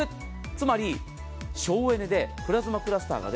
つまり省エネでプラズマクラスター。